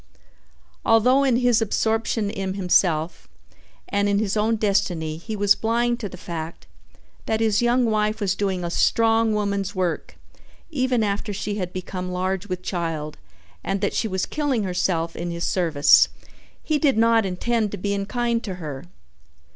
Although in his absorption in himself and in his own destiny he was blind to the fact that his young wife was doing a strong woman's work even after she had become large with child and that she was killing herself in his service, he did not intend to be unkind to her.